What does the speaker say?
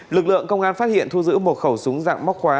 lực lượng công an phát hiện thu giữ một khẩu súng dạng móc khóa